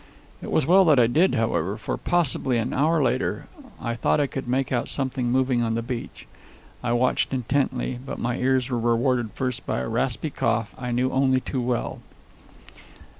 It was well that I did, however, for, possibly an hour later, I thought I could make out something moving on the beach. I watched intently, but my ears were rewarded first, by a raspy cough I knew only too well.